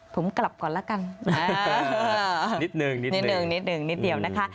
ผมกลับก่อนแล้วกันนิดหนึ่งนิดเดียวนะคะ